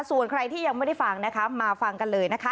ส่วนใครที่ยังไม่ได้ฟังนะคะมาฟังกันเลยนะคะ